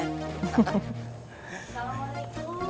sering jengukin ibunya